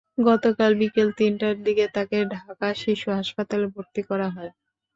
গতকাল বিকেল তিনটার দিকে তাকে ঢাকা শিশু হাসপাতালে ভর্তি করা হয়।